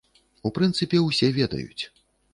У прынцыпе, усе ведаюць.